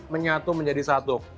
menyatu menjadi satu